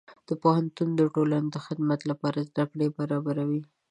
پوهنتون د ټولنې خدمت لپاره زدهکړې برابروي.